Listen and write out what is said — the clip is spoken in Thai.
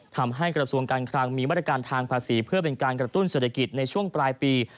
ทำให้กระทรวงการคลังมีมาตรการทางภาษีเพื่อเป็นการกระตุ้นเศรษฐกิจในช่วงปลายปี